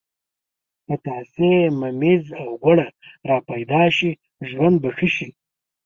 پتاسې، ممیز او ګوړه را پیدا شي ژوند به ښه شي.